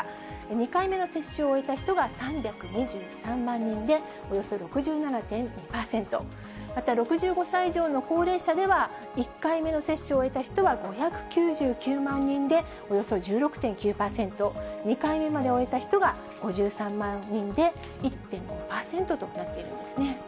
２回目の接種を終えた人が３２３万人で、およそ６７．２％、また６５歳以上の高齢者では、１回目の接種を終えた人は５９９万人で、およそ１６．９％、２回目まで終えた人が５３万人で１．５％となっているんですね。